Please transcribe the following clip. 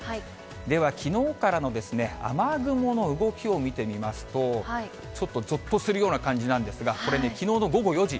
ではきのうからの雨雲の動きを見てみますと、ちょっとぞっとするような感じなんですが、これね、きのうの午後４時。